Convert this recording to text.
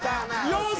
よし！